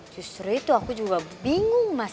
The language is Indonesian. justru itu aku juga bingung mas